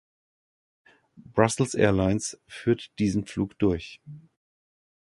Brussels Airlines führt diesen Flug durch.